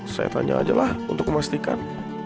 saya tanya aja lah untuk memastikan